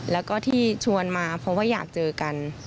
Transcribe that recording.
แล้วก็ที่ชวนมาเพราะว่าอยากเจอกัน